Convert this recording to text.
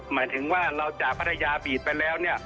หมายถึงว่าเราจากพัทยาบีดไปแล้วเนี่ย